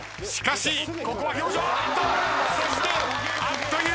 しかしここは表情あっと！